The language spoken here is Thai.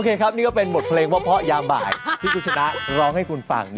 โอเคครับนี่ก็เป็นบทเพลงว่าเพราะย้าบ่ายคุณชนะร้องให้คุณฟัง